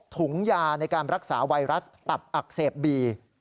ถุงยาในการรักษาไวรัสตับอักเสบบี